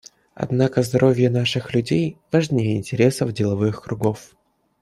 Однако здоровье наших людей важнее интересов деловых кругов.